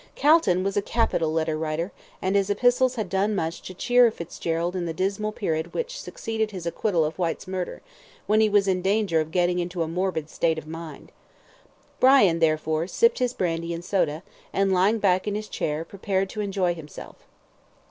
Calton was a capital letter writer, and his epistles had done much to cheer Fitzgerald in the dismal period which succeeded his acquittal of Whyte's murder, when he was in danger of getting into a morbid state of mind. Brian, therefore, sipped his brandy and soda, and, lying back in his chair, prepared to enjoy himself.